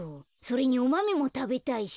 それにおマメもたべたいし。